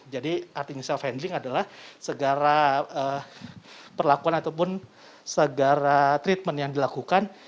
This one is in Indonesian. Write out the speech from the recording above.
jadi artinya self handling adalah segara perlakuan ataupun segara treatment yang dilakukan